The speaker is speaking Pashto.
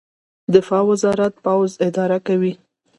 دفاع وزارت پوځ اداره کوي